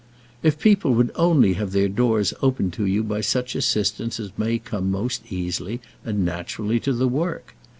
If people would only have their doors opened to you by such assistance as may come most easily and naturally to the work!